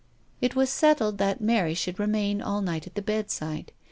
It was settled that Mary should remain all night at the bedside.